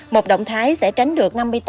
một động thái sẽ tránh được năm mươi tám